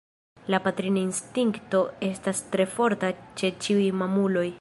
La patrina instinkto estas tre forta ĉe ĉiuj mamuloj.